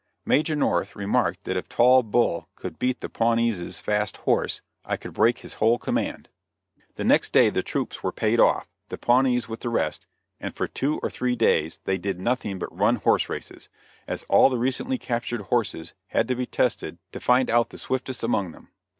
Major North remarked that if Tall Bull could beat the Pawnees' fast horse, I could break his whole command. The next day the troops were paid off, the Pawnees with the rest, and for two or three days they did nothing but run horse races, as all the recently captured horses had to be tested to find out the swiftest among them.